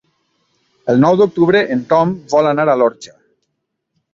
El nou d'octubre en Tom vol anar a l'Orxa.